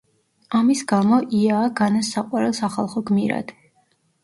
ამის გამო, იაა განას საყვარელ სახალხოდ გმირად.